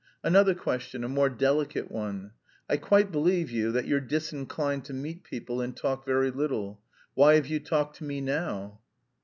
"Another question, a more delicate one. I quite believe you that you're disinclined to meet people and talk very little. Why have you talked to me now?"